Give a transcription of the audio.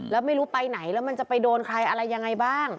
แล้วไม่รู้ไปไหนแล้วมันจะไปโดนใครอะไรยังไงบ้าง